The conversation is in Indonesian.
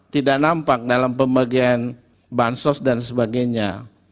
tidak nampak dalam pembagian bansos dan sebagainya